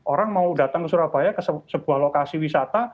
orang mau datang ke surabaya ke sebuah lokasi wisata